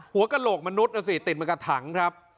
กระโหลกมนุษย์นะสิติดมากับถังครับ